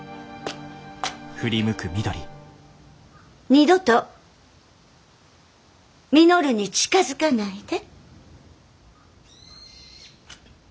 二度と稔に近づかないで。